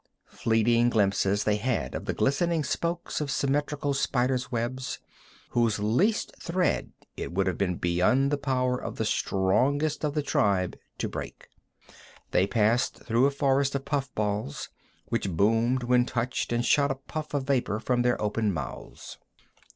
Fleeting glimpses they had of the glistening spokes of symmetrical spiders' webs, whose least thread it would have been beyond the power of the strongest of the tribe to break. They passed through a forest of puff balls, which boomed when touched and shot a puff of vapor from their open mouths.